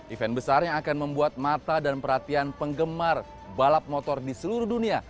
event besar yang akan membuat mata dan perhatian penggemar balap motor di seluruh dunia